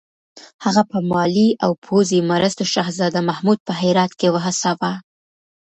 هغه په مالي او پوځي مرستو شهزاده محمود په هرات کې وهڅاوه.